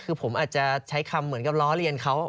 คือผมอาจจะใช้คำเหมือนกับล้อเลียนเขา